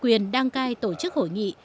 quyền đăng cai tổ chức hội nghị